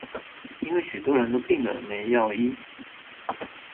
因為許多人都病了沒藥醫